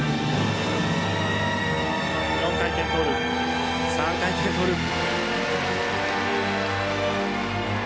４回転トゥループ３回転トゥループ。